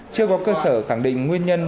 chưa có cơ sở khẳng định nguyên nhân